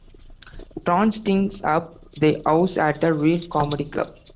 Tron stinks up the house at a real comedy club.